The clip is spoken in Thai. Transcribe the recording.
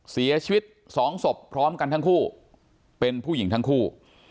เสียชีวิตสองศพพร้อมกันทั้งคู่เป็นผู้หญิงทั้งคู่